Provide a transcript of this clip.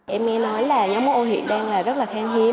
em mới nói là nhóm máu o hiện đang rất là khen hiếm